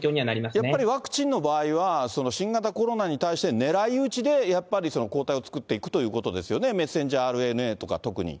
やっぱりワクチンの場合は、新型コロナに対して狙い撃ちでやっぱり抗体を作っていくということですよね、ｍＲＮＡとか特に。